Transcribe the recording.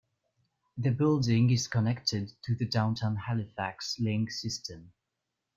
The building is connected to the Downtown Halifax Link system.